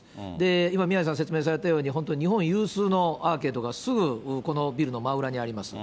今宮根さんが説明されたように、本当に日本有数のアーケードがすぐこのビルの真裏にあります。